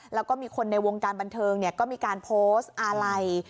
แล้วก็มีคนในวงการบันเทิงก็มีการโพสต์อาลัย